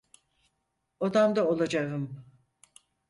Odamda olacağım.